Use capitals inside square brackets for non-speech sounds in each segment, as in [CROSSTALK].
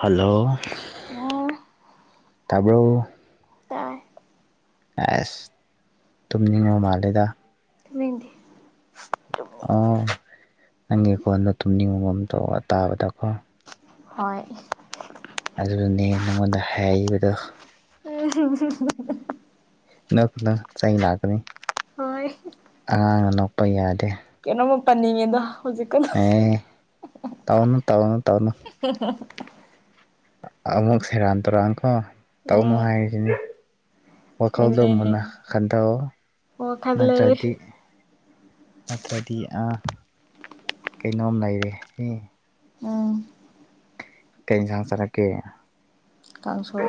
hello ꯑꯣ ꯇꯥꯔꯕ꯭ꯔꯣ ꯇꯥꯏ ꯑꯁ ꯇꯨꯝꯅꯤꯡꯉꯣ ꯃꯥꯜꯂꯦꯗ ꯗꯤ ꯑꯣ ꯅꯪꯒꯤ ꯀꯣꯟꯗꯣ ꯇꯨꯝꯅꯤꯡꯉꯒꯝ ꯇꯧꯔꯒ ꯇꯥꯕꯗꯀꯣ ꯍ ꯑꯗꯨꯗꯨꯅꯦ ꯅꯪꯉꯣꯟꯗ ꯍꯥꯏꯔꯤꯕꯗꯣ ꯑꯦ ꯁꯤ ꯁꯤ ꯅꯅ ꯆꯍꯤ ꯂꯥꯛꯀꯅꯤ ꯍꯣꯏ ꯑꯉꯥꯡꯅ ꯅꯣꯛꯄ ꯌꯥꯗꯦ ꯀꯩꯅꯣꯃ ꯄꯅꯤꯡꯉꯗꯣ ꯍꯧꯖꯤꯛꯀ ꯑꯦ ꯇꯥꯎꯅ ꯇꯧꯅ ꯇꯧꯅ ꯍ ꯍꯣ ꯑꯃꯨꯛ ꯁꯦꯔꯥꯟ ꯇꯧꯔꯛꯑꯅꯀꯣ ꯇꯧꯅꯨ ꯎꯝ ꯍꯥꯏꯔꯤꯁꯤꯅꯦ ꯋꯥꯀꯥꯎꯗ ꯍꯣꯏꯅꯦ ꯃꯨꯟꯅ ꯈꯟꯇꯣ ꯋꯥꯈꯜ ꯂꯩ ꯅꯠꯇ꯭ꯔꯗꯤ ꯅꯠꯇ꯭ꯔꯗꯤ ꯑ ꯀꯩꯅꯣꯝ ꯂꯩꯔꯦ ꯎꯝ ꯀꯩ ꯁ ꯆꯔꯛꯀꯦ ꯀꯥꯡꯁꯣꯏ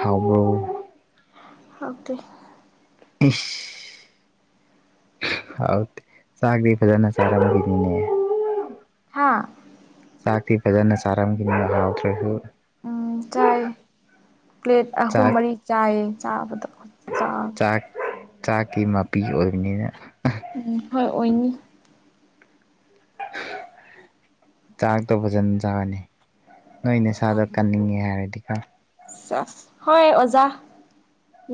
ꯍꯥꯎꯃꯣ ꯑꯣꯀꯦ ꯑꯐ ꯍꯥꯎꯗꯤ ꯆꯒꯗꯤ ꯐꯖꯅ ꯆꯔꯗꯅꯦ ꯍꯥꯥ ꯆꯥꯛꯇꯤ ꯐꯖꯅ ꯆꯥꯔꯝꯒꯅꯤꯅ ꯍꯥꯎꯗ꯭ꯔꯁꯨ ꯎꯝ ꯆꯥꯏ ꯄ꯭ꯂꯦꯠ ꯑꯍꯨꯝ ꯆꯥꯛ ꯃꯔꯤ ꯆꯥꯏꯌꯦ ꯆꯥꯕꯗ ꯆꯥꯛ ꯆꯥꯛꯀꯤ ꯃꯄꯤ ꯑꯣꯏꯕꯅꯤꯅ ꯎꯝ ꯍꯣꯏ ꯑꯣꯏ ꯎ ꯆꯥꯛꯇꯣ ꯐꯖꯅ ꯆꯥꯕꯅꯤ ꯅꯣꯏ ꯅ ꯁꯥꯥꯗꯣ ꯀꯟꯅꯤꯡꯉꯦ ꯍꯥꯏꯔꯗꯤꯀꯣ ꯍꯣꯏ ꯑꯣꯖꯥ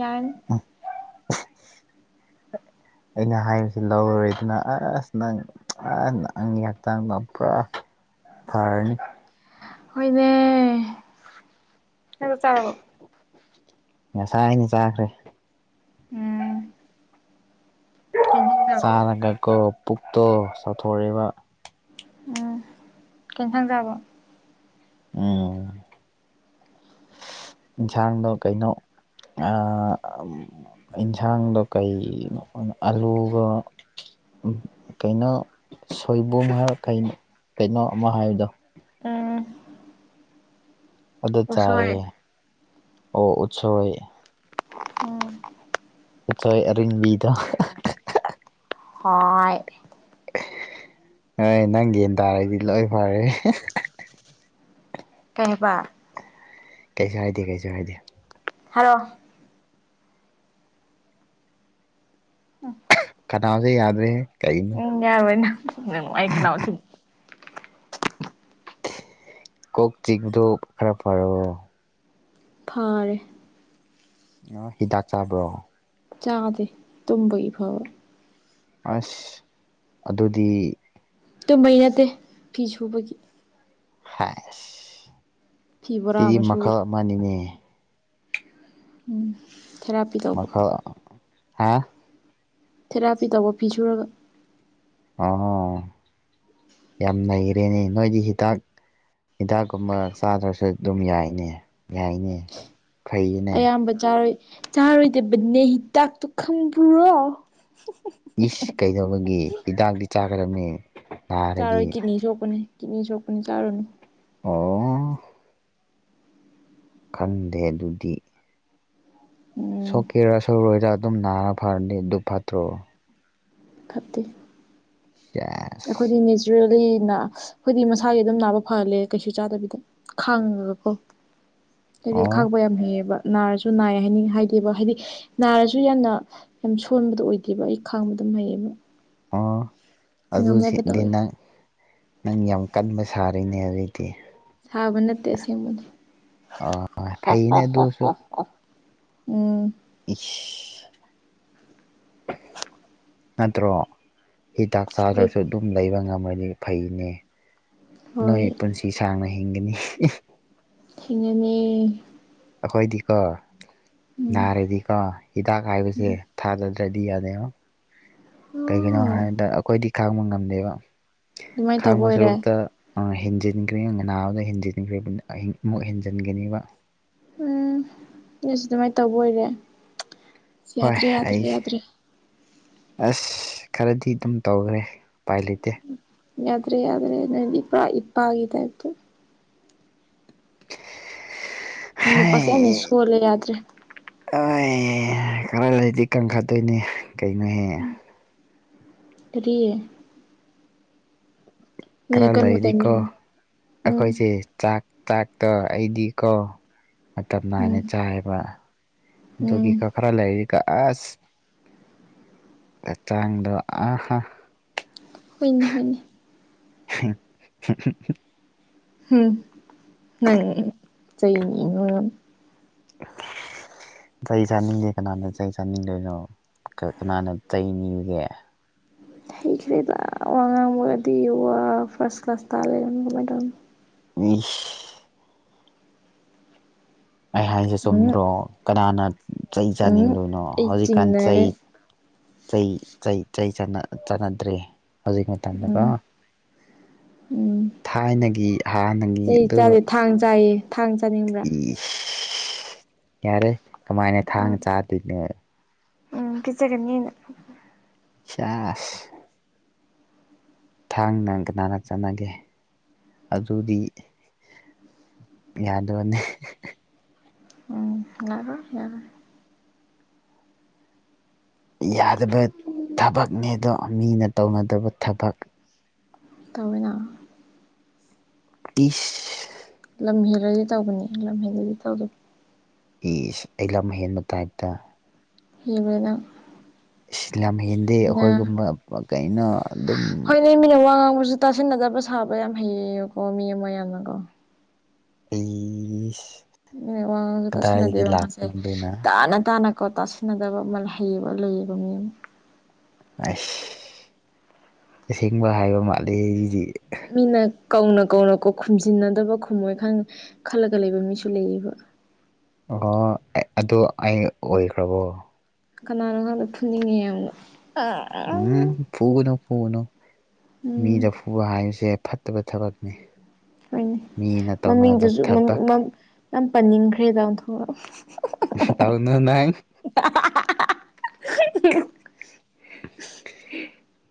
ꯌꯥꯟ ꯎꯝ ꯑꯩꯅ ꯍꯥꯏꯔꯤꯁꯤ ꯂꯧꯔꯔꯣꯏꯗꯅ ꯑꯁ ꯅꯪ ꯑ ꯅꯪꯒꯤ ꯍꯛꯆꯥꯡꯗ ꯄꯨꯔꯥ ꯐꯔꯅꯤ ꯍꯅꯦ ꯍꯕ ꯆꯥꯔꯕꯣ ꯉꯁꯥꯏ ꯍꯥꯏꯅꯤ ꯆꯥꯈ꯭ꯔꯦ ꯎꯝ ꯀꯩ ꯏꯟꯁꯥꯡ ꯆꯥꯕ ꯆꯥꯅꯉꯛꯀꯣ ꯄꯨꯛꯇꯣ ꯆꯥꯊꯣꯔꯏꯕ ꯎꯝ ꯀꯦꯟ ꯊꯪꯖꯕꯣ ꯎꯝ ꯏꯟꯁꯥꯡꯗꯣ ꯀꯩꯅꯣ ꯌꯦꯟꯁꯥꯡꯗꯣ ꯀꯩꯅꯣ ꯑꯂꯨꯒ ꯀꯩꯅꯣ ꯁꯣꯏꯕꯨꯝ ꯍꯥꯏꯔꯣ ꯀ ꯀꯩꯅꯣ ꯑꯃ ꯍꯥꯏꯕꯗꯣ ꯎꯝ ꯑꯗ ꯎꯁꯣꯏ ꯆꯥꯏꯑꯌꯦ ꯑꯣ ꯎꯠꯁꯣꯏ ꯎꯝ ꯄꯣꯏ ꯑꯔꯤ ꯕꯤꯗ ꯍꯣꯏ ꯍꯣꯏ ꯅꯪ ꯌꯦꯒꯟ ꯇꯥꯔꯗꯤ ꯂꯣꯏ ꯐꯔꯦ ꯀꯩꯕ ꯀꯩꯁꯨ ꯍꯥꯏꯗꯦ ꯀꯩꯁꯨ ꯍꯥꯏꯗꯦ ꯍꯜꯂꯣ ꯀꯅꯥꯁꯦ ꯌꯥꯗ꯭ꯔꯦ ꯀꯩꯅꯤ ꯌꯥꯔ ꯅ ꯑꯩꯥꯏꯈꯥꯟꯅꯕ ꯊꯤꯟ ꯀꯣꯛ ꯆꯤꯗꯨꯣ ꯈꯔ ꯐꯔꯛꯑꯣ ꯐꯥꯔꯦ ꯑ ꯍꯤꯗꯥꯛ ꯆꯥꯕ꯭ꯔꯣ ꯆꯥꯗꯦ ꯇꯨꯝꯕꯒꯤꯐꯕ ꯑꯁ ꯑꯗꯨꯗꯤ ꯇꯨꯝꯍꯩ ꯅꯠꯇꯦ ꯐꯤ ꯁꯨꯕꯒꯤ ꯍꯥꯏꯁ ꯐꯤ ꯕꯣꯔꯥ ꯁꯤꯗꯤ ꯑꯃ ꯁꯨꯈ꯭ꯔꯦ ꯃꯈꯜ ꯑꯃꯅꯤꯅꯦ ꯎꯝ ꯊꯦꯔꯥꯄꯤ ꯇꯧꯕ ꯃꯈ ꯍꯥ ꯊꯦꯔꯥꯄꯤ ꯇꯧꯕ ꯄꯤꯖꯨꯔꯒ ꯑ ꯌꯥꯝ ꯂꯩꯈꯔꯦꯅꯦ ꯅꯣꯏꯗꯤ ꯍꯤꯗꯥꯛ ꯍꯤꯗꯥꯛꯀꯨꯝꯕ ꯆꯥꯗ꯭ꯔꯁꯨ ꯑꯗꯨꯝ ꯌꯥꯏꯅꯦ ꯌꯥꯏꯅꯦ ꯐꯩꯌꯦꯅꯦ ꯑꯌꯥꯝꯕ ꯆꯥꯔꯣꯏꯏ ꯆꯥꯔꯣꯏꯗꯕꯅꯦ ꯍꯤꯗꯥꯛꯇꯨ ꯈꯪꯕꯨꯔꯣ ꯏꯁ ꯀꯩꯗꯧꯕꯒꯤ ꯍꯤꯗꯥꯛꯇꯤ ꯆꯥꯈꯔꯝꯃꯤ ꯆꯥꯔꯣꯏ ꯀꯤꯅꯤ ꯁꯣꯛꯄꯅꯦ ꯀꯤꯅꯤ ꯁꯣꯛꯄꯅꯦ ꯆꯥꯔꯨꯅꯨ ꯑꯣ ꯈꯟꯗꯦ ꯑꯗꯨꯗꯤ ꯎꯝ ꯁꯣꯛꯀꯦꯔꯥ ꯁꯧꯣꯏꯔ ꯑꯗꯨꯝ ꯅꯥꯔ ꯐꯔꯅꯤ ꯑꯗꯨꯗꯨ ꯐꯠꯇ꯭ꯔꯣ ꯈꯞꯠꯇꯦ ꯆ ꯑꯩꯈꯣꯏꯗꯤ ꯅꯦꯆꯔꯦꯜꯂꯤ ꯑꯩꯈꯣꯏꯗꯤ ꯃꯁꯥꯒꯤ ꯑꯗꯨꯝ ꯅꯥꯕ ꯐꯍꯜꯂꯦ ꯀꯩꯁꯨ ꯆꯥꯗꯕꯤꯗ ꯈꯥꯡꯉꯒꯀꯣ ꯍꯥꯏꯗꯤ ꯑꯣ ꯈꯥꯡꯕ ꯌꯥꯝ ꯍꯦꯛꯑꯕ ꯅꯥꯔꯁꯨ ꯅꯥꯏ ꯍꯥꯏꯅꯤꯡ ꯍꯥꯏꯗꯦꯕ ꯍꯥꯏꯗꯤ ꯅꯥꯔꯁꯨ ꯌꯥꯝꯅ ꯌꯥꯝ ꯁꯣꯟꯕꯗꯣ ꯑꯣꯏꯗꯦꯕ ꯑꯩ ꯈꯥꯡꯕꯗ ꯍꯩꯌꯦꯕ ꯑꯣ ꯉꯝꯅꯕ ꯑꯗꯨꯗꯤ ꯇꯧꯋꯦ ꯅꯪ ꯅꯪ ꯌꯥꯝ ꯀꯟꯕ ꯁꯥꯔꯤꯅꯦ ꯑꯗꯨꯑꯣꯏꯗꯤ ꯁꯥꯕ ꯅꯠꯇꯦ ꯑꯁꯦꯡꯕꯅꯤ ꯐꯩꯅꯦ ꯑꯗꯨꯁꯨ ꯎꯝ ꯏꯁ ꯅꯠꯇ꯭ꯔꯣ ꯍꯤꯗꯥꯛ ꯍꯣꯏ ꯆꯥꯗ꯭ꯔꯁꯨ ꯑꯗꯨꯝ ꯂꯩꯕ ꯉꯝꯃꯅꯤ ꯐꯩꯅꯦ ꯍꯣꯏ ꯅꯣꯏ ꯄꯨꯟꯁꯤ ꯁꯥꯡꯅ ꯍꯤꯡꯒꯅꯤ ꯊꯅꯅꯦ ꯑꯩꯈꯣꯏꯗꯤꯀꯣ ꯎꯝ ꯅꯥꯔꯗꯤꯀꯣ ꯍꯤꯗꯥꯛ ꯍꯥꯏꯕꯁꯦ ꯊꯥꯗ ꯇꯗꯤ ꯌꯥꯗ ꯀꯩꯒꯤꯅꯣ ꯑꯣ ꯍꯥꯏꯕꯗ ꯑꯩꯈꯣꯏꯗꯤ ꯈꯥꯡꯕ ꯉꯝꯗꯦꯕ ꯑꯗꯨꯃꯥꯏꯅ ꯇꯧꯕ ꯈꯥꯡꯕ ꯑꯣꯏꯔꯦ ꯁꯔꯨꯛꯇ ꯍꯦꯟꯖꯤꯟꯈ꯭ꯔꯦ ꯉꯅꯥ ꯑꯃꯗ ꯍꯦꯟꯖꯤꯟꯈ꯭ꯔꯦ ꯑꯃꯨꯛ ꯍꯦꯟꯖꯤꯟꯒꯅꯦꯕ ꯎꯝ ꯅꯣꯏꯁꯨ ꯑꯗꯨꯃꯥꯏ ꯇꯧꯕ ꯑꯣꯏꯔꯦ ꯍꯣꯏ ꯌꯥꯗ꯭ꯔꯦ ꯌꯥꯗ꯭ꯔꯦ ꯑꯩ ꯌꯥꯗ꯭ꯔꯦ ꯑꯁ ꯈꯔꯗꯤ ꯑꯗꯨꯝ ꯇꯧꯈ꯭ꯔꯦ ꯎꯄꯥꯏ ꯂꯩꯇꯦ ꯌꯥꯗ꯭ꯔꯦ ꯌꯥꯗ꯭ꯔꯦ ꯅꯪ ꯏꯄꯥ ꯏꯄꯥꯒꯤ ꯇꯥꯏꯞꯇ ꯑꯩ ꯅꯨꯄꯥꯁꯦ ꯌꯥꯝꯅ ꯁꯣꯜꯂꯦ ꯌꯥꯗ꯭ꯔꯦ ꯈꯔ ꯂꯩꯗꯤ ꯀꯟꯈꯠꯇꯣꯏꯅꯦ ꯀꯩꯅꯣꯍꯦ ꯀꯔꯤ ꯅꯣꯏꯅ ꯀꯟꯕ ꯀꯔꯂꯩꯗꯤꯀꯣ ꯇꯥꯏꯃꯤꯡ ꯎꯝ ꯑꯩꯈꯣꯏꯁꯦ ꯆꯥꯛ ꯆꯥꯛꯇꯣ ꯑꯩꯗꯤꯀꯣ ꯃꯇꯝ ꯅꯥꯏꯅ ꯎꯝ ꯆꯥꯏꯑꯦꯕ ꯑꯗꯨꯒꯤ ꯎꯝ ꯀꯣ ꯈ꯭ꯔ ꯂꯩ ꯀꯥ ꯑꯁ ꯍꯛꯆꯥꯡꯗꯣ ꯑꯍꯥ ꯍꯣꯏꯅꯤ ꯍꯣꯏꯅꯤ [INAUDIBLE] ꯎꯝ ꯅꯪ ꯆꯩ ꯅꯤꯕ [INAUDIBLE] ꯆꯩ ꯆꯥꯅꯤꯡꯗꯦ ꯀꯅꯥꯅ ꯆꯩ ꯆꯥꯅꯤꯡꯗꯣꯏꯅꯣ ꯀꯅꯥꯅ ꯆꯩ ꯅꯤꯕꯨꯒꯦ ꯍꯩꯈ꯭ꯔꯦꯗ ꯋꯥꯉꯥꯡꯒꯗꯤ ꯋꯥ ꯐ꯭ꯔꯥꯁ ꯀ꯭ꯂꯥꯁ ꯇꯥ ꯂꯩꯔꯝꯃꯦ ꯀꯃꯥꯏ ꯇꯧꯅꯤ ꯎꯏꯁ ꯑꯩ ꯍꯥꯏꯁꯦ ꯇꯧꯅꯤ ꯎꯝ ꯆꯨꯝꯗ꯭ꯔꯣ ꯀꯅꯥꯅ ꯆꯩ ꯎꯝ ꯆꯥꯅꯤꯡꯗꯣꯏꯅꯣ ꯑꯩ ꯍꯧꯖꯤꯛꯀꯥꯟ ꯆꯩ ꯆꯤꯡꯅꯔꯦ ꯆꯩ ꯆꯩ ꯆꯩ ꯆꯥꯟꯅꯗ꯭ꯔꯦ ꯍꯧꯖꯤꯛ ꯎꯝ ꯃꯇꯝꯗꯀꯣ ꯎꯝ ꯊꯥꯏꯅꯒꯤ ꯍꯥꯟꯅꯒꯤ ꯆꯩ ꯑꯗꯨ ꯆꯥꯗꯦ ꯊꯥꯡ ꯆꯥꯌꯦ ꯊꯥꯡ ꯆꯥꯅꯤꯡꯕ꯭ꯔꯥ ꯌꯥꯔꯦ ꯀꯃꯥꯏꯅ ꯊꯥꯡꯅ ꯆꯥꯗꯣꯏꯅ ꯄꯤꯖꯒꯅꯤ ꯑꯩꯅ ꯆꯥꯁ ꯊꯥꯡꯅ ꯀꯅꯥꯔꯛ ꯆꯥꯟꯅꯒꯦ ꯑꯗꯨꯗꯤ ꯌꯥꯗꯕꯅꯤ ꯎꯝ ꯌꯥꯔꯣ ꯌꯥꯔ ꯌꯥꯗꯕ ꯊꯕꯛꯅꯦ ꯑꯗꯣ ꯃꯤꯅ ꯇꯧꯅꯗꯕ ꯊꯕꯛ ꯇꯧꯋꯤꯅ ꯏꯁ ꯂꯝ ꯍꯦꯜꯂꯗꯤ ꯇꯧꯕꯅꯤ ꯂꯝ ꯍꯦꯜꯗꯗꯤ ꯇꯧꯔꯣꯏ ꯏꯁ ꯑꯩ ꯂꯝ ꯍꯦꯟꯕꯩ ꯇꯥꯏꯞꯇ ꯀꯤꯕꯔ ꯅꯪ ꯏꯁ ꯂꯝ ꯍꯦꯟꯗꯦ ꯃꯤꯅ ꯑꯩꯈꯣꯏꯒꯨꯝꯕ ꯀꯩꯅꯣ ꯑꯗꯨꯝ ꯑ ꯃꯤꯅ ꯋꯥ ꯉꯥꯡꯕꯁꯨ ꯇꯥꯁꯤꯟꯅꯗꯕ ꯁꯥꯕ ꯌꯥꯝ ꯍꯩꯌꯦꯕꯀꯣ ꯃꯤ ꯑꯃ ꯌꯥꯝꯅꯀꯣ ꯏꯁ ꯋꯥ ꯉꯥꯡꯉꯁꯨ ꯇꯁꯟꯅꯗꯦꯕ ꯃꯥꯁꯦ ꯑꯗꯨꯅ ꯇꯥꯅ ꯇꯥꯅ ꯀꯣ ꯇꯁꯤꯟꯅꯗꯕ ꯃꯥꯜ ꯍꯩꯌꯦꯕ ꯂꯩꯌꯦꯕ ꯃꯤ ꯑꯃ ꯑꯩꯁ ꯑꯁꯦꯡꯕ ꯍꯥꯏꯕ ꯃꯥꯜꯂꯤ ꯑꯩꯗꯤ ꯃꯤꯅ ꯀꯧꯅ ꯀꯧꯅ ꯀꯣ ꯈꯨꯝꯖꯤꯟꯅꯗꯕ ꯈꯨꯝꯃꯣꯏ ꯈꯪ ꯈꯜꯂꯒ ꯂꯩꯕ ꯃꯤꯁꯨ ꯂꯩꯌꯦꯕ ꯑꯣꯍꯣ ꯑꯗꯨ ꯑꯩ ꯑꯣꯏꯈ꯭ꯔꯕꯣ ꯀꯅꯥꯅꯣ ꯈꯪꯗ ꯐꯨꯅꯤꯡꯉꯦ ꯌꯥꯝꯅ ꯎꯝ ꯐꯨꯒꯅꯨ ꯐꯨꯒꯅꯨ ꯃꯤꯗ ꯎꯝ ꯐꯨꯕ ꯍꯥꯏꯕꯁꯦ ꯐꯠꯇꯕ ꯊꯕꯛꯅꯤ ꯍꯣꯏꯅꯦ ꯃꯤꯅ ꯇꯧꯅꯕ ꯃꯃꯤꯡꯗꯨꯁꯨꯡ ꯊꯕꯛ ꯌꯥꯝ ꯄꯟꯅꯤꯡꯈ꯭ꯔꯦꯗ ꯑꯣꯟꯊꯣꯛꯂ ꯇꯧꯅꯨꯅꯪ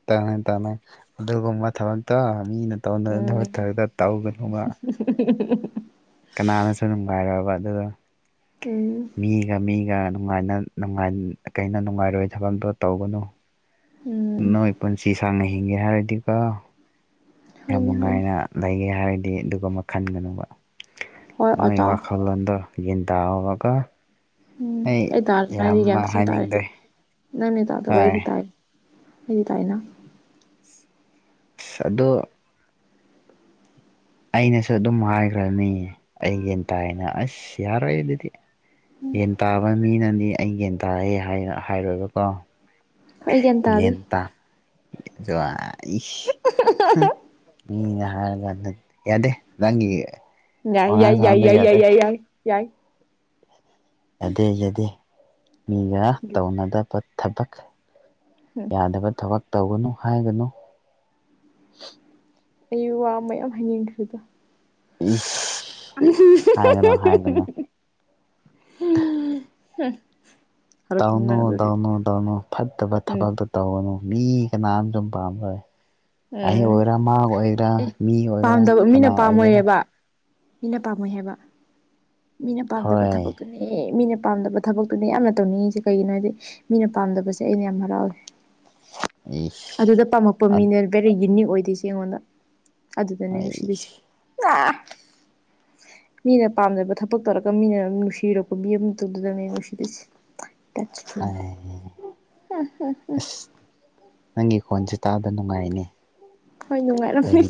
ꯇꯧꯅꯨ ꯇꯧꯅꯨ ꯑꯗꯨꯒꯨꯝꯕ ꯊꯕꯛꯇ ꯃꯤꯅ ꯇꯧꯅꯗꯕ ꯎꯝ ꯊꯕꯛꯇ ꯇꯧꯒꯅꯨꯕ [INAUDIBLE] ꯀꯅꯥꯅꯁꯨ ꯅꯨꯡꯉꯥꯏꯔꯕ ꯑꯗꯨꯗꯣ ꯎꯝ ꯃꯤꯒ ꯃꯤꯒ ꯅꯨꯡꯉꯥꯏꯅ ꯅꯨꯡꯉꯥꯏ ꯀꯩꯅꯣ ꯅꯨꯡꯉꯥꯏꯔꯣꯏ ꯊꯕꯛ ꯑꯝꯇ ꯇꯧꯒꯅꯨ ꯎꯝ ꯅꯣꯏ ꯄꯨꯟꯁꯤ ꯁꯥꯡꯅ ꯍꯤꯡꯒꯦ ꯍꯥꯏꯔꯗꯤꯀꯣ ꯌꯥꯝ ꯍꯣꯏꯅꯦ ꯍꯣꯏꯅꯦ ꯅꯨꯡꯉꯥꯏꯅ ꯂꯩꯒꯦ ꯍꯥꯏꯔꯗꯤ ꯑꯗꯨꯒꯨꯝꯕ ꯈꯟꯒꯅꯨꯕ ꯍꯣꯏ ꯅꯣꯏ ꯑꯣꯖꯥ ꯋꯥꯈꯜ ꯈꯜꯂꯣꯟꯗꯨ ꯒ꯭ꯌꯥꯟ ꯇꯥꯎꯕꯀꯣ ꯎꯝ ꯑꯩ ꯇꯔꯅꯥꯗꯤ ꯒ꯭ꯌꯥꯟ ꯐꯖꯟ ꯇꯥꯔꯦ ꯍꯥꯏꯅꯤꯡꯗ꯭ꯔꯦ ꯅꯪꯅꯤ ꯇꯥꯗꯕ ꯑꯩꯗꯤ ꯍꯣꯏ ꯇꯥꯏ ꯑꯩꯗꯤ ꯇꯥꯏꯅ ꯑꯗꯣ ꯑꯩꯅꯁꯨ ꯑꯗꯨꯝ ꯍꯥꯏꯈ꯭ꯔꯅꯤ ꯑꯩ ꯒ꯭ꯌꯥꯟ ꯇꯥꯏꯅ ꯑꯁ ꯌꯥꯔꯣꯏ ꯑꯗꯨꯗꯤ ꯒ꯭ꯌꯥꯟ ꯇꯥꯕ ꯃꯤꯅꯗꯤ ꯑꯩ ꯒ꯭ꯌꯥꯟ ꯇꯥꯏꯌꯦ ꯍꯥꯏ ꯍꯥꯏꯔꯣꯏꯕꯀꯣ ꯍꯣꯏ ꯑꯩ ꯇꯥꯗꯦ ꯒ꯭ꯌꯥꯟ ꯇꯥ [UNINTELLIGIBLE] ꯏꯁ ꯍꯨꯝ ꯃꯤꯅ ꯍꯥꯏꯔꯀꯥꯟꯗ ꯌꯥꯗꯦ ꯅꯪꯒꯤ ꯌꯥꯏ ꯋꯥꯉꯥꯡ ꯌꯥꯏ ꯌꯥꯏ ꯁꯉꯥꯡꯗ ꯌꯥꯏ ꯌꯥꯏ ꯌꯥꯗꯦ ꯌꯥꯏ ꯌꯥꯏ ꯌꯥꯏ ꯌꯥꯗꯦ ꯌꯥꯗꯦ ꯃꯤꯒ ꯇꯧꯅꯗꯕ ꯊꯕꯛ ꯎꯝ ꯌꯥꯗꯕ ꯊꯕꯛ ꯇꯧꯒꯅꯨ ꯍꯥꯏꯒꯅꯨ ꯑꯩ ꯋꯥ ꯃꯌꯥꯝ ꯍꯥꯏꯅꯤꯡꯈ꯭ꯔꯦꯗ ꯁꯁ ꯎꯝ ꯏꯁ ꯍꯨꯝ ꯍꯨꯝ ꯍꯨꯝ ꯍꯥꯏꯒꯅꯨ ꯍꯨꯝ ꯍꯥꯏꯒꯅꯨ ꯍꯨꯝ ꯍꯨꯝ ꯍꯨꯞ ꯇꯧꯅꯨ ꯇꯧꯅꯨ ꯇꯧꯅꯨ ꯐꯠꯇꯕ ꯎꯝ ꯊꯕꯛꯇꯣ ꯇꯧꯒꯅꯨ ꯃꯤ ꯀꯅꯥꯝ ꯁꯨꯝ ꯄꯥꯝꯔꯣꯏ ꯑꯩ ꯎꯝ ꯑꯣꯏꯒꯔꯥ ꯃꯥ ꯑꯣꯏꯒꯦꯔꯥ ꯑꯦ ꯃꯤ ꯑꯣꯏꯒꯦꯔꯥ ꯄꯥꯝꯗꯕ ꯀꯅꯥ ꯃꯤꯅ ꯑꯣꯏꯒꯦꯔꯥ ꯄꯥꯝꯃꯣꯏꯑꯕ ꯃꯤꯅ ꯄꯥꯝꯃꯣꯏ ꯍꯥꯏꯕ ꯃꯤꯅ ꯄꯥꯝꯗꯕ ꯍꯣꯏ ꯊꯕꯛ ꯗꯨꯅꯦ ꯃꯤꯅ ꯄꯥꯝꯗꯕ ꯊꯕꯛꯇꯨꯅꯦ ꯌꯥꯝꯅ ꯇꯧꯅꯤꯡꯉꯤꯁꯦ ꯀꯩꯒꯤꯅꯣ ꯍꯥꯏꯗꯤ ꯃꯤꯅ ꯄꯥꯝꯗꯕꯁꯦ ꯑꯩꯅ ꯌꯥꯝ ꯍꯔꯥꯎꯋꯦ [INAUDIBLE] ꯑꯗꯨꯗ ꯄꯥꯝꯃꯛꯄ ꯏꯁ ꯃꯤꯅꯦ ꯕꯦꯔꯤ ꯌꯨꯅꯤꯛ ꯑꯣꯏꯗꯣꯏꯁꯦ ꯑꯩꯉꯣꯟꯗ ꯑꯗꯨꯗꯅꯦ ꯅꯨꯡꯁꯤꯗꯣꯏꯁꯦ [UNINTELLIGIBLE] ꯃꯤꯅ ꯄꯥꯝꯗꯕ ꯊꯕꯛ ꯇꯧꯔꯒ ꯃꯤꯅ ꯅꯨꯡꯁꯤꯔꯛꯄ ꯃꯤ ꯑꯃꯇꯗꯨꯗꯅꯦ ꯅꯨꯡꯁꯤꯗꯣꯏꯁꯤ [UNINTELLIGIBLE] ꯑꯁ ꯅꯪꯒꯤ ꯈꯣꯟꯁꯤ ꯇꯥꯗ ꯅꯨꯡꯉꯥꯏꯅꯤ ꯍꯣꯏ ꯅꯨꯡꯉꯥꯏꯔꯝꯅꯤ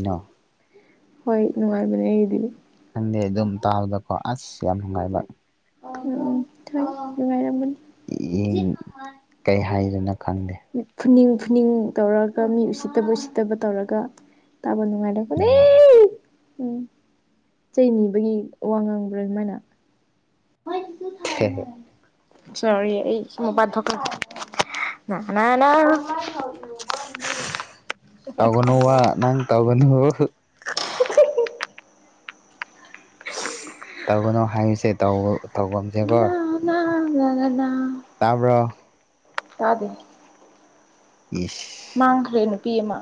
ꯍꯣꯏ ꯅꯨꯡꯉꯥꯏꯕꯅꯦ ꯑꯩꯒꯤꯗꯤ ꯈꯪꯗꯦ ꯑꯗꯨꯝ ꯇꯥꯕꯗꯀꯣ ꯑꯁ ꯌꯥꯝ ꯅꯨꯡꯉꯥꯏꯕ ꯎꯝ ꯊꯣꯏ ꯅꯨꯡꯉꯥꯏꯔꯝꯒꯅꯤ [UNINTELLIGIBLE] ꯀꯩ ꯍꯥꯏꯗꯣꯏꯅꯣ ꯈꯪꯗꯦ ꯃꯤ ꯐꯨꯅꯤꯡ ꯐꯨꯅꯤꯡ ꯇꯧꯔꯒ ꯃꯤ ꯎꯁꯤꯠꯇꯕ ꯎꯁꯤꯠꯇꯕ ꯇꯧꯔꯒ ꯇꯥꯕ ꯅꯨꯡꯉꯥꯏꯔꯣꯏ ꯎꯝ [UNINTELLIGIBLE] ꯎꯝ ꯆꯩ ꯅꯤꯕꯒꯤ ꯋꯥ ꯉꯥꯡꯕ꯭ꯔꯥ ꯁꯨꯃꯥꯏꯅ [UNINTELLIGIBLE] ꯍꯦꯍꯦ ꯁꯣꯔꯤ ꯑꯩ ꯃꯄꯥꯟ ꯊꯣꯛꯀꯦ ꯅꯥ ꯅꯥ ꯅꯥ ꯇꯧꯒꯅꯣꯕ ꯅꯪ ꯇꯧꯒꯅꯨ ꯇꯧꯒꯅꯣ ꯍꯥꯏꯔꯤꯁꯦ ꯇꯧ ꯇꯧꯒꯨꯝꯁꯦꯀꯣ ꯅꯅꯥ ꯅꯥ ꯅꯥ ꯅꯥ ꯇꯥꯕ꯭ꯔꯣ ꯇꯥꯗꯦ ꯏꯁ ꯃꯥꯡꯈ꯭ꯔꯦ ꯅꯨꯄꯤ ꯑꯃ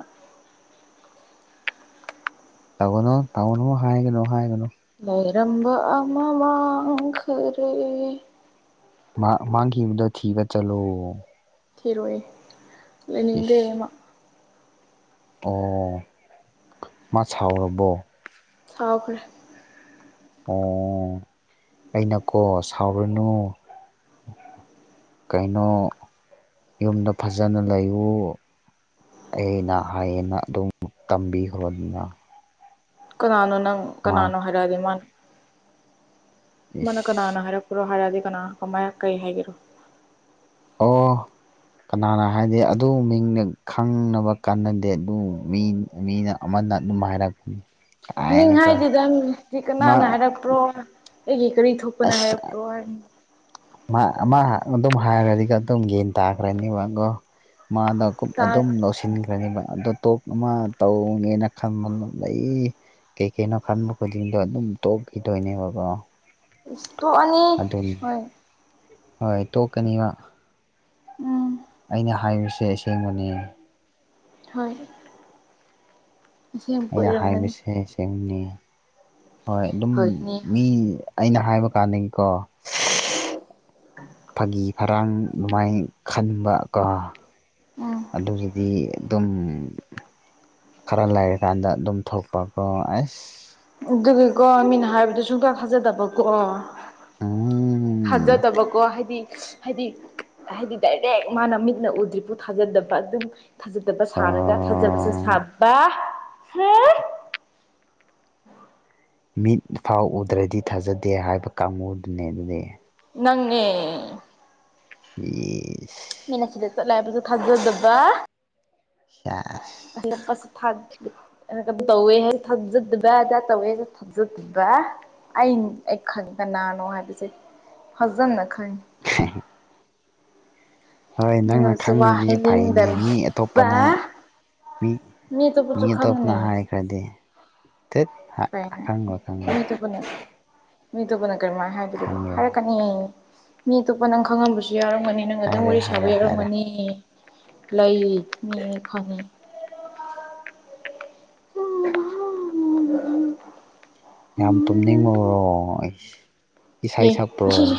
ꯇꯧꯒꯅꯣ ꯇꯧꯒꯅꯣ ꯍꯥꯏꯒꯅꯨ ꯍꯥꯏꯒꯅꯨ ꯂꯩꯔꯝꯕ ꯑꯃ ꯃꯥꯡꯈꯔꯦ ꯃꯥꯡ ꯃꯥꯡꯈꯤꯕꯗꯣ ꯊꯤꯕ ꯆꯠꯂꯨ ꯊꯤꯔꯣꯏ ꯂꯩꯅꯤꯡꯗꯦ ꯏꯁ ꯑꯃ ꯑꯣ ꯃꯥ ꯁꯥꯎꯔꯕꯣ ꯁꯥꯎꯈ꯭ꯔꯦ ꯑꯣ ꯑꯩꯅꯀꯣ ꯁꯥꯎꯔꯅꯨ ꯀꯩꯅꯣ ꯌꯨꯝꯗ ꯐꯖꯅ ꯂꯩꯎ ꯑꯩꯅ ꯍꯌꯦꯅ ꯑꯗꯨꯝ ꯇꯝꯕꯤꯈ꯭ꯔꯣꯅꯤꯅ ꯀꯅꯥꯅꯣ ꯅꯪ ꯀꯅꯥꯅꯣ ꯍꯥꯏꯔꯛꯑꯗꯤ ꯃꯥꯅ ꯃꯥꯅ ꯏꯁ ꯀꯅꯥꯅꯣ ꯍꯥꯏꯔꯛ ꯄꯨꯔꯣ ꯍꯥꯏꯔꯛꯗꯤ ꯀꯅꯥ ꯀꯃꯥꯏꯅ ꯀꯩ ꯍꯥꯏꯒꯦꯔꯣ ꯑꯣ ꯀꯅꯥꯅ ꯍꯥꯏꯗꯤ ꯑꯗꯨ ꯃꯤꯡꯅ ꯈꯪꯅꯕ ꯀꯥꯟꯅꯗꯦ ꯑꯗꯨ ꯃꯤ ꯃꯤꯅ ꯑꯃꯅ ꯑꯗꯨꯝ ꯍꯥꯏꯔꯛꯄꯅꯤ ꯃꯤꯡ ꯀꯥꯏꯅꯀꯣ ꯍꯥꯏꯗꯨꯗꯪ ꯃꯥ ꯀꯅꯥꯅ ꯍꯥꯏꯔꯛꯄ꯭ꯔꯣ ꯑꯩꯒꯤ ꯀꯔꯤ ꯊꯣꯛ ꯄꯨꯅ ꯑꯁ ꯍꯥꯏꯔ ꯄ꯭ꯔꯣ ꯃꯥ ꯑꯗꯨꯝ ꯍꯥꯏꯔꯗꯤꯒ ꯑꯗꯨꯝ ꯌꯦꯒꯟ ꯇꯥꯈ꯭ꯔꯅꯦꯕ ꯑꯗꯣ ꯃꯥꯗꯣ [INAUDIBLE] ꯑꯗꯨꯝ ꯇꯥꯔꯔꯣꯏ ꯂꯧꯁꯤꯟꯈ꯭ꯔꯅꯦꯕ ꯑꯗꯣ ꯇꯣꯛ ꯑꯃ ꯇꯧꯒꯦꯅ ꯈꯟꯕ ꯂꯩ ꯀꯩ ꯀꯩꯅꯣ ꯈꯟꯕ ꯈꯨꯗꯤꯡꯗꯣ ꯑꯗꯨꯝ ꯇꯣꯛꯈꯤꯗꯣꯏꯅꯦꯕꯀꯣ ꯏꯁ ꯇꯣꯛꯑꯅꯤ ꯑꯗꯨꯅꯤ ꯍꯣꯏ ꯍꯣꯏ ꯇꯣꯛꯀꯅꯤꯕ ꯎꯝ ꯑꯩꯅ ꯍꯥꯏꯕꯁꯦ ꯑꯁꯦꯡꯕꯅꯤ ꯍꯣꯏ ꯑꯁꯦꯡꯕ ꯑꯩꯅ ꯑꯣꯏꯔꯝꯒꯅꯤ ꯍꯥꯏꯕꯁꯦ ꯁꯦꯡꯕꯅꯤ ꯍꯣꯏ ꯑꯗꯨꯝ ꯍꯣꯏꯅꯦ ꯃꯤ ꯍꯣꯏ ꯑꯩꯅ ꯍꯥꯏꯕ ꯀꯥꯟꯗꯀꯣ ꯐꯥꯒꯤ ꯐꯔꯥꯡ ꯑꯗꯨꯃꯥꯏꯅ ꯈꯟꯕ ꯀꯣ ꯑꯗꯨꯗꯨꯗꯤ ꯑꯗꯨꯝ ꯈꯔ ꯂꯩꯔꯀꯥꯟꯗ ꯑꯗꯨꯝ ꯊꯣꯛꯄꯀꯣ ꯑꯁ ꯑꯗꯨꯒꯤꯀꯣ ꯃꯤꯅ ꯍꯥꯏꯕꯗꯨ ꯁꯨꯡꯊꯥ ꯊꯥꯖꯗꯕꯀꯣ ꯎꯝ ꯊꯥꯖꯗꯕꯀꯣ ꯍꯥꯏꯗꯤ ꯍꯥꯏꯗꯤ ꯍꯥꯏꯗꯤ ꯗꯥꯏꯔꯦꯛ ꯃꯥꯅ ꯃꯤꯠꯅ ꯎꯗ꯭ꯔꯤꯄꯨ ꯊꯥꯖꯗꯕ ꯑꯗꯨꯝ ꯊꯥꯖꯗꯕ ꯁꯥꯔꯒ ꯊꯥꯖꯕꯁꯨ ꯑꯥ ꯁꯥꯕ ꯃꯤꯠ ꯐꯥꯎ ꯎꯗ꯭ꯔꯗꯤ ꯊꯥꯖꯗꯦ ꯍꯥꯏꯕ ꯀꯥꯡꯕꯨꯗꯨꯅꯦ ꯑꯗꯨꯗꯤ ꯅꯪꯅꯦ ꯑ ꯃꯤꯅ ꯁꯤꯗ ꯆꯠꯂꯦ ꯍꯥꯏꯕꯁꯨ ꯊꯥꯖꯗꯕ ꯑ [UNINTELLIGIBLE] [INAUDIBLE] ꯁ ꯊꯥꯗ [INAUDIBLE] [UNINTELLIGIBLE] ꯩꯅ ꯀ ꯑꯗꯨꯣ ꯇꯧꯋꯦ ꯍꯥꯏꯁꯦ ꯊꯥꯖꯗꯕ ꯇꯧꯋꯦ ꯍꯥꯏꯁꯦ ꯊꯥꯖꯗꯕ [INAUDIBLE] ꯑꯩ ꯑꯩ ꯈꯪ ꯀꯅꯥꯅꯣ ꯍꯥꯏꯕꯁꯦ ꯐꯖꯅ ꯈꯪꯉꯦ ꯎ [UNINTELLIGIBLE] [INAUDIBLE] ꯅꯪꯅ ꯃꯤꯉꯣꯟꯗꯁꯨ ꯈꯪꯉꯗꯤ ꯋꯥꯍꯥꯢ ꯐꯩꯅꯦ ꯃꯤ ꯅꯤꯡꯗꯕ ꯑꯇꯣꯞꯄꯅ ꯃꯤ ꯃꯤ ꯇꯣꯞꯄꯁꯨꯨ ꯑꯇꯣꯞꯄꯅ ꯈꯪꯅꯤ ꯍꯥꯏꯈ꯭ꯔꯗꯤ ꯇꯠ ꯀꯥꯏꯅꯦ ꯈꯪꯉꯣꯏ ꯈꯪꯉꯣꯏ ꯃꯤꯇꯣꯞꯄꯅ ꯃꯤꯇꯣꯞꯄꯅ ꯀꯔꯝꯃꯥꯏꯅ ꯍꯥꯏꯕꯗꯨ ꯈꯪꯉꯔꯣꯏ ꯍꯥꯏꯔꯛꯀꯅꯤ ꯃꯤ ꯑꯇꯣꯞꯄ ꯅꯪ ꯈꯪꯉꯝꯕꯁꯨ ꯌꯥꯎꯔꯝꯒꯅꯤ ꯍꯥꯏꯔꯦ ꯍꯥꯏꯔꯦ ꯍꯥꯏꯔꯦ ꯂ ꯃꯤ ꯈꯅꯤ [UNINTELLIGIBLE] [INAUDIBLE] ꯌꯥꯝ ꯇꯨꯝꯅꯤꯡꯕꯔꯣ ꯑꯩ ꯏꯁꯩ ꯑꯦ ꯁꯛꯄ꯭ꯔꯣ ꯑꯁꯤꯁꯦ